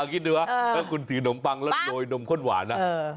คิดดีว่าถ้าคุณถือนมปังแล้วโรยนมข้นหวานนะ